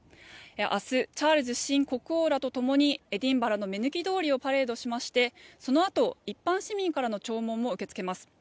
明日チャールズ新国王らとともにエディンバラの目抜き通りをパレードしましてそのあと、一般市民からの弔問も受け付けます。